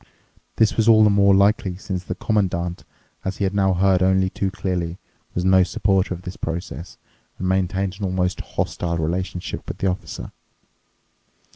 This was all the more likely since the Commandant, as he had now heard only too clearly, was no supporter of this process and maintained an almost hostile relationship with the Officer.